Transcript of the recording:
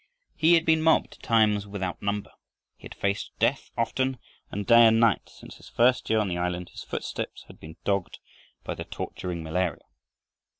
He had been mobbed times without number. He had faced death often, and day and night since his first year on the island his footsteps had been dogged by the torturing malaria.